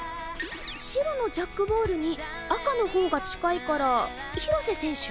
白のジャックボールに赤の方が近いから廣瀬選手？